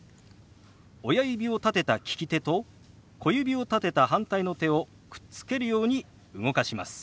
親指を立てた利き手と小指を立てた反対の手をくっつけるように動かします。